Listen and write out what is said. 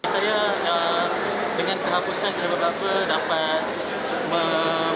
saya dengan kehakusan dari beberapa dapat memperbaiki